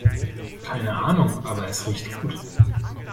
Keine Ahnung, aber es riecht gut.